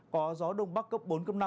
có gió đông bắc cấp bốn năm